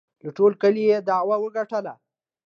له ټول کلي یې دعوه وگټله